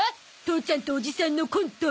父ちゃんとおじさんのコント。